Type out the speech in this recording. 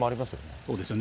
そうですよね。